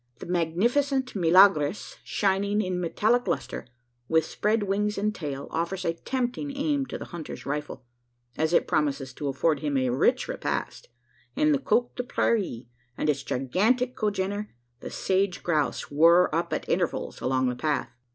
The magnificent meleagris, shining in metallic lustre, with spread wings and tail, offers a tempting aim to the hunter's rifle as it promises to afford him a rich repast; and the coq de prairie, and its gigantic congener the "sage grouse," whirr up at intervals along the path.